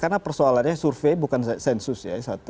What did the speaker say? karena persoalannya survei bukan sensus